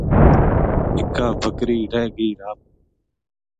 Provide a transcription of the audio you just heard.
اِکا بکری رِہ گئی راہ ما